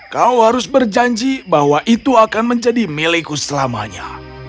kau harus berjanji bahwa itu akan menjadi milikku selamanya